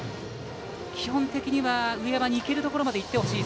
基本的には上山に行けるところまで行ってほしい。